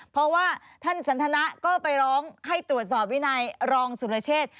เพราะว่าท่านสันทนะก็ไปร้องให้ตรวจสอบวินัยรองสุรเชษ